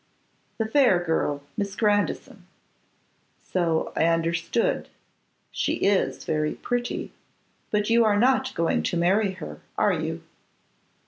'The fair girl; Miss Grandison.' 'So I understood. She is very pretty, but you are not going to marry her, are you?